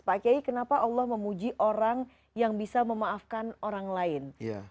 pak kiai kenapa allah memuji orang yang bisa memaafkan orang lain